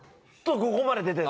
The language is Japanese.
そこまで出てる。